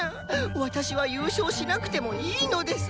私は優勝しなくてもいいのです。